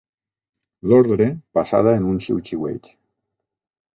L'ordre, passada en un xiuxiueig